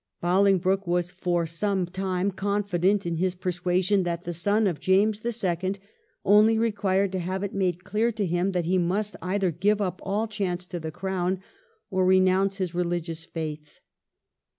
Bolingbroke was for some time confident in his persuasion that the son of James 11. only required to have it made clear to him that he must either give up all chance of the crown or renounce his religious faith.